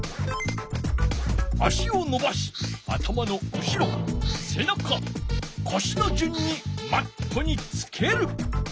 足をのばし頭の後ろせなかこしのじゅんにマットにつける。